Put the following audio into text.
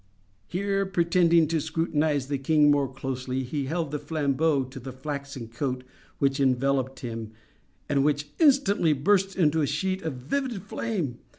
Here, pretending to scrutinize the king more closely, he held the flambeau to the flaxen coat which enveloped him, and which instantly burst into a sheet of vivid flame.